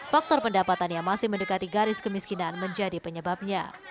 faktor pendapatan yang masih mendekati garis kemiskinan menjadi penyebabnya